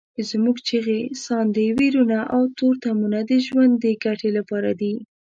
زموږ چیغې، ساندې، ویرونه او تورتمونه د ژوند د ګټې لپاره دي.